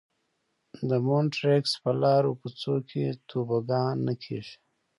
د مونټریکس په لارو کوڅو کې توبوګان نه کېږي.